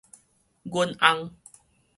阮翁